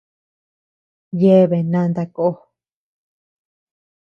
Yebea nanta kó.